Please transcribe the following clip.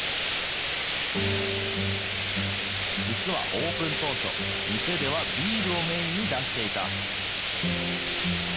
実はオープン当初、店ではビールをメインに出していた。